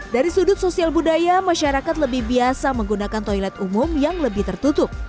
dari sudut sosial budaya masyarakat lebih biasa menggunakan toilet umum yang lebih tertutup